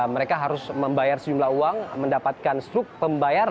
mereka harus membayar sejumlah uang mendapatkan struk pembayaran